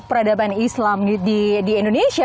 peradaban islam di indonesia